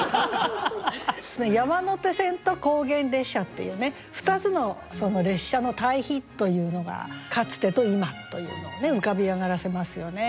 「山手線」と「高原列車」っていう２つの列車の対比というのがかつてと今というのを浮かび上がらせますよね。